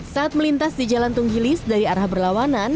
saat melintas di jalan tunggilis dari arah berlawanan